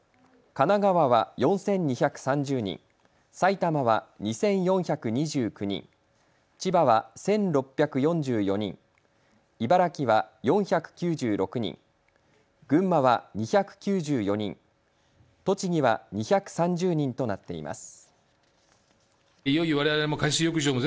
神奈川は４２３０人、埼玉は２４２９人、千葉は１６４４人、茨城は４９６人、群馬は２９４人、栃木は２３０人となっています。